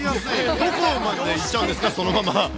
どこまで行っちゃうんですか、そのまま。